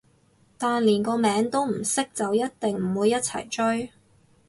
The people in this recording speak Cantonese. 但連個名都唔識就一定唔會一齊追